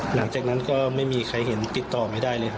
หลังจากนั้นก็ไม่มีใครเห็นติดต่อไม่ได้เลยครับ